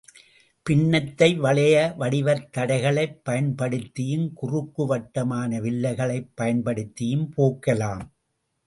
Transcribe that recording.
பின்னதைத் வளைய வடிவத் தடைகளைப் பயன்படுத்தியும் குறுக்கு வட்டமான வில்லைகளைப் பயன்படுத்தியும் போக்கலாம்.